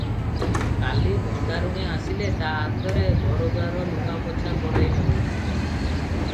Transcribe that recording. କାଲି ଭଣ୍ଡାରୁଣୀ ଆସିଲେ ତା ହାତରେ ଘରଦ୍ୱାର ଲିପାପୋଛା କରାଇ ନେବୁ ।